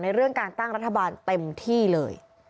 เรื่องการตั้งรัฐบาลเต็มที่เลย